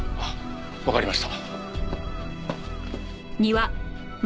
わかりました。